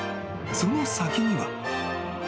［その先には］